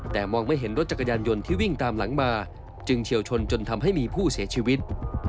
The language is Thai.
แต่มองไม่เห็นรถจักรยานยนต์ที่วิ่งตามหลังมาจึงเฉียวชนจนทำให้มีผู้เสียชีวิต